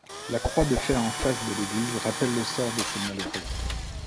La Croix de fer en face de l'église rappelle le sort de ces malheureux.